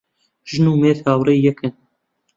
ژن و مێرد هاوڕێی یەکن